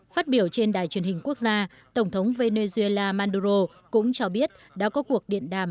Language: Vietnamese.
phát biểu trên đài truyền hình quốc gia tổng thống venezuela maduro cũng cho biết đã có cuộc điện đàm